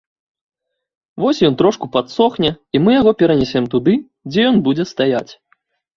Вось ён трошку падсохне, і мы яго перанясем туды, дзе ён будзе стаяць.